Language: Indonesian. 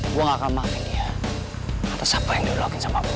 buang akal mah ke dia atau sabar yang dirogin sama boy